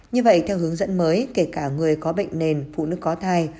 như vậy theo hướng dẫn mới kể cả người có bệnh nền phụ nữ có thai